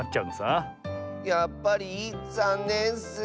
やっぱりざんねんッス。